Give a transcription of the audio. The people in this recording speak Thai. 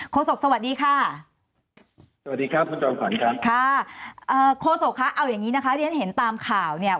โคศกสวัสดีค่ะค่ะเอาอย่างนี้นะคะด้วยเห็นตามข่าวเนี่ย